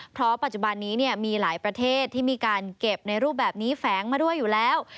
เพราะปัจจุบันนี้มีหลายประเทศที่มีการเก็บในรูปแบบนี้แฝงมาด้วยอยู่แล้ว